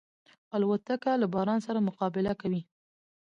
الوتکه له باران سره مقابله کوي.